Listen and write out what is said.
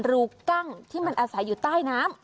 กั้งที่มันอาศัยอยู่ใต้น้ำ